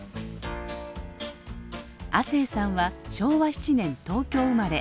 亜星さんは昭和７年東京生まれ。